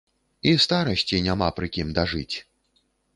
І старасці няма пры кім дажыць!